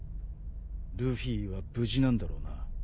ルフィは無事なんだろうな？